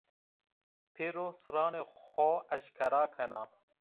Pêro sirranê xo eşkera kena